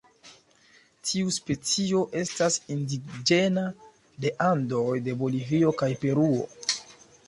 Tiu specio estas indiĝena de Andoj de Bolivio kaj Peruo.